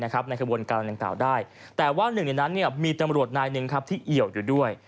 การต่างได้แต่ว่าหนึ่งในนั้นเนี่ยมีตำรวจนายนึงครับที่เหี่ยวอยู่ด้วย